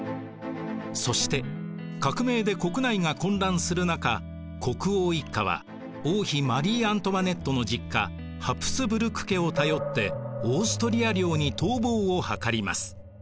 そして革命で国内が混乱する中国王一家は王妃マリー・アントワネットの実家ハプスブルク家を頼ってオーストリア領に逃亡をはかります。